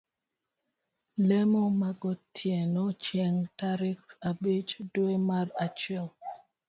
lemo magotiene chieng' tarik abich dwe mar achiel.